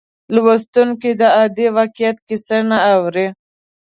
لوستونکی د عادي واقعیت کیسه نه اوري.